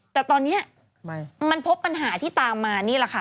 แต่ตอนนี้มันพบปัญหาที่ตามมานี่แหละค่ะ